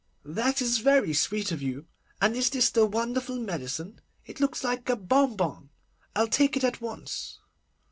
That is very sweet of you. And is this the wonderful medicine? It looks like a bonbon. I'll take it at once.